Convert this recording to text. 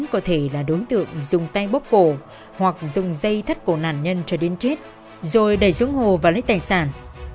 có thể là đối tượng dùng tay bóp cổ hoặc dùng dây thắt cổ nạn nhân cho đến chết rồi đẩy xuống hồ và lấy tài sản